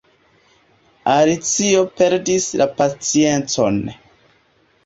Alicio perdis la paciencon.